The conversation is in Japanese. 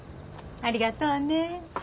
ありがとうねえ。